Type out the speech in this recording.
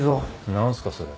何すかそれ。